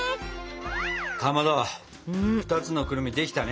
かまど２つのくるみできたね！